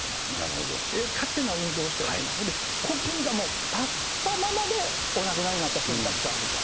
勝手な運動をしちゃいけない、それで呼吸が、立ったままでお亡くなりになった人もたくさんいると。